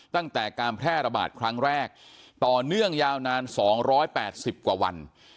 ตั้งแต่การแพร่ระบาดครั้งแรกต่อเนื่องยาวนาน๒๘๐กว่าวัน